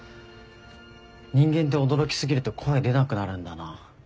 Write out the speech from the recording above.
人間って驚き過ぎると声出なくなるんだな。